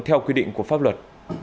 theo quy định của pháp luật